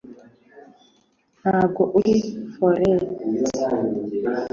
Ntabwo uri Forex